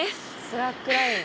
スラックライン？